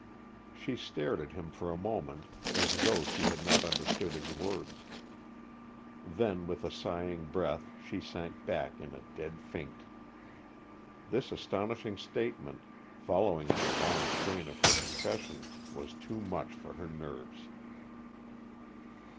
She stared at him for a moment as though she had not understood his words. Then, with a sighing breath, she sank back in a dead faint. This astonishing statement, following the long strain of her confession, was too much for her nerves.